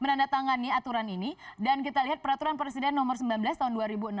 menandatangani aturan ini dan kita lihat peraturan presiden nomor sembilan belas tahun dua ribu enam belas